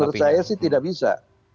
menurut saya sih tidak bisa